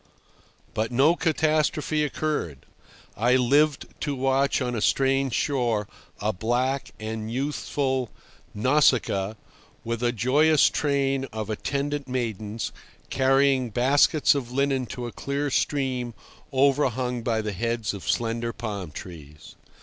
But no catastrophe occurred. I lived to watch on a strange shore a black and youthful Nausicaa, with a joyous train of attendant maidens, carrying baskets of linen to a clear stream overhung by the heads of slender palm trees.